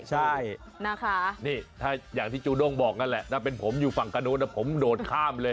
ใช่นี่อย่างที่จูด้งบอกนั่นแหละน่าเป็นผมอยู่ฝั่งกระโดดแต่ผมโดดข้ามเลย